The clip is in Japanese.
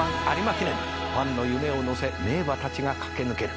ファンの夢を乗せ名馬たちが駆け抜ける。